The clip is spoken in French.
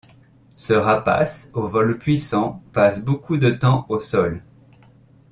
Ce rapace au vol puissant passe beaucoup de temps au sol.